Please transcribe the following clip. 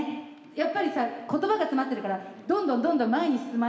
やっぱりさ言葉が詰まってるからどんどんどんどん前に進まないように。